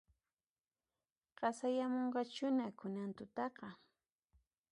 Qasayamunqachuhina kunan tutaqa